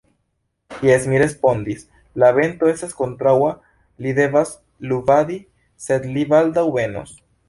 Jes, mi respondis, la vento estas kontraŭa, li devas luvadi, sed li baldaŭ venos.